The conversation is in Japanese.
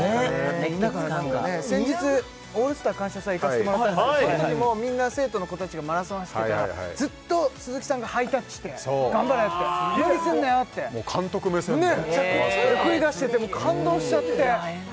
熱血感が先日「オールスター感謝祭」行かせてもらったんですけどその時もみんな生徒の子たちがマラソン走ってたらずっと鈴木さんがハイタッチして「頑張れ」って「無理すんなよ」って監督目線でこうやって送り出してて感動しちゃってわええな